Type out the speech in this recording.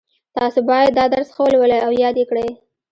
تاسو باید دا درس ښه ولولئ او یاد یې کړئ